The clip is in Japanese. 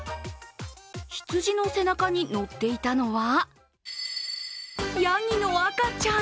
羊の背中に乗っていたのはやぎの赤ちゃん。